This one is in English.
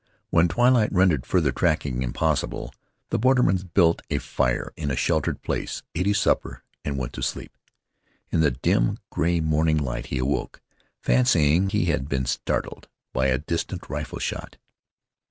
When twilight rendered further tracking impossible, the borderman built a fire in a sheltered place, ate his supper, and went to sleep. In the dim, gray morning light he awoke, fancying he had been startled by a distant rifle shot.